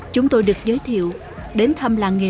chúng tôi được giới thiệu đến thăm làng nghề